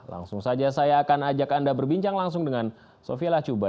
langsung saja saya akan ajak anda berbincang langsung dengan sofie lacuba